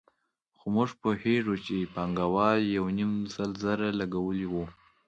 خو موږ پوهېږو چې پانګوال یو نیم سل زره لګولي وو